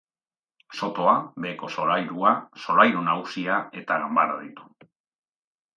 Sotoa, beheko solairua, solairu nagusia eta ganbara ditu.